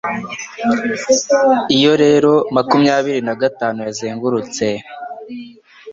Iyo rero makumyabiri na gatanu yazungurutse